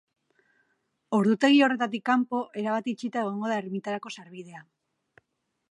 Ordutegi horretatik kanpo, erabat itxita egongo da ermitarako sarbidea.